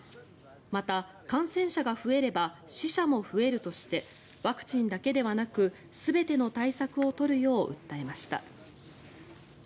また、感染者が増えれば死者も増えるとしてワクチンだけではなく全ての対策を取るよう訴えました。